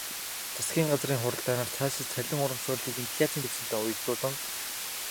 Засгийн газрын хуралдаанаар цаашид цалин урамшууллыг инфляцын түвшинтэй уялдуулан нэмэхээр тогтов.